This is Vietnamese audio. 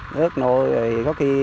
nước nổi có khi